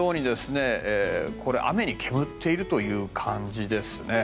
雨に煙っているという感じです。